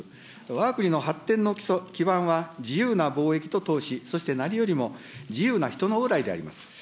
わが国の発展の基礎、基盤は、自由な貿易と投資、そして何よりも自由な人の往来であります。